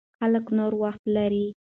خلک نور وخت لري.